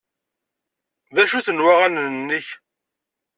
D acu-ten waɣanen-nnek?